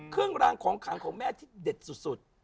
ของแม่ที่เด็ดสุด